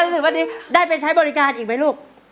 อื่นวันนี้ได้ไปใช้บริการอีกไหมลูก